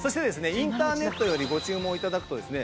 インターネットよりご注文頂くとですね